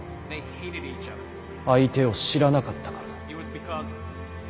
相手を知らなかったからだ。